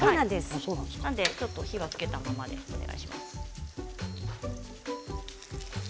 火をつけたままでお願いします。